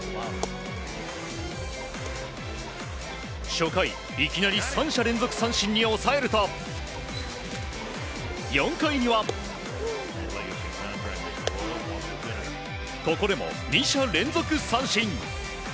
初回、いきなり３者連続三振に抑えると４回には、ここでも２者連続三振。